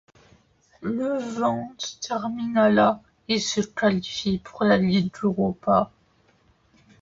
Levante termine à la et se qualifie pour la Ligue Europa.